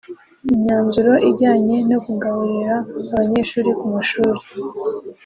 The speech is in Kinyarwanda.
Imyanzuro ijyanye no kugaburira abanyeshuri ku mashuri